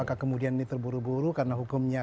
apakah kemudian ini terburu buru karena hukumnya